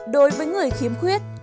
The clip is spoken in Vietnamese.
đối với người khiếm khuyết